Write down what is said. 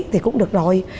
thì cũng được rồi